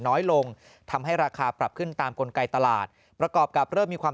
น้อยลงทำให้ราคาปรับขึ้นตามกลไกตลาดประกอบกับเริ่มมีความ